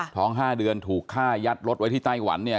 ๕เดือนถูกฆ่ายัดรถไว้ที่ไต้หวันเนี่ย